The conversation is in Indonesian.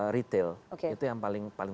retail itu yang paling